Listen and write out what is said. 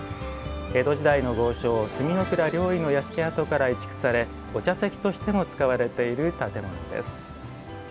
江戸時代の豪商・角倉了以の屋敷跡から移築されお茶席としても使われている建物です。